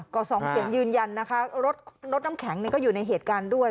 ก็สองเสียงยืนยันนะคะรถน้ำแข็งก็อยู่ในเหตุการณ์ด้วย